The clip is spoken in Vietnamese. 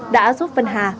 đã giúp vân hà